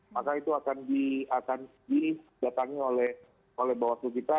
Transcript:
maka itu akan diatangi oleh bawah suku kita